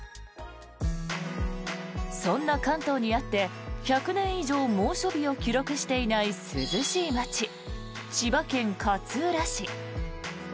そんな関東にあって１００年以上猛暑日を記録していない涼しい街千葉県勝浦市。